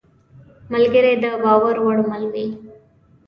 ملګری د باور وړ مل وي.